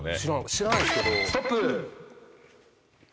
知らないですけど。